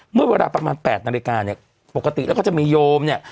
เมื่อเวลาประมาณ๘นาฬิกาเนี่ยปกติแล้วก็จะมีโยมเนี่ย